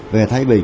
về thái bình